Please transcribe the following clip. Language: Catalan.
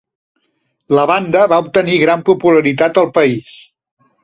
La banda va obtenir gran popularitat al país.